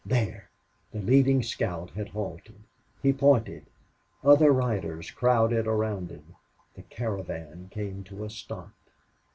There! The leading scout had halted. He pointed. Other riders crowded around him. The caravan came to a stop.